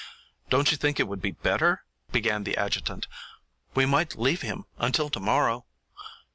"Don't you think it would be better " began the adjutant. "We might leave him until tomorrow."